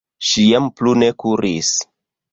Ŝi jam plu ne kuris.